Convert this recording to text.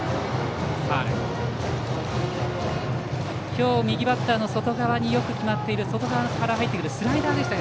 今日、右バッターの外側によく決まっている外側から入ってくるスライダーでした。